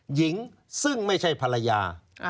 หญิงซึ่งไม่ใช่ภรรยา